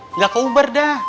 nggak ke uber dah